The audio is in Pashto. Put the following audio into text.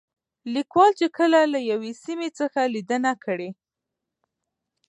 ليکوال چې کله له يوې سيمې څخه ليدنه کړې